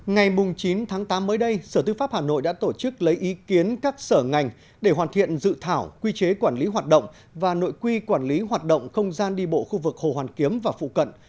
ngày chín tháng tám mới đây sở tư pháp hà nội đã tổ chức lấy ý kiến các sở ngành để hoàn thiện dự thảo quy chế quản lý hoạt động và nội quy quản lý hoạt động không gian đi bộ khu vực hồ hoàn kiếm và phụ cận